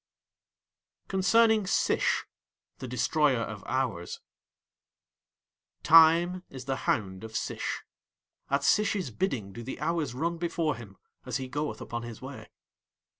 CONCERNING SISH (The Destroyer of Hours) Time is the hound of Sish. At Sish's bidding do the hours run before him as he goeth upon his way.